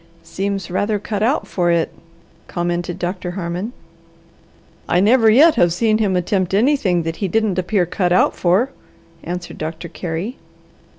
"Seems rather cut out for it," commented Doctor Harmon. "I never yet have seen him attempt anything that he didn't appear cut out for," answered Doctor Carey.